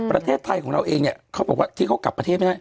ประเทศไทยของเราเองเขาบอกว่าที่เขากลับประเทศ